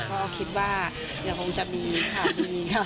เพราะคิดว่าเดี๋ยวคงจะมีค่ะคุณี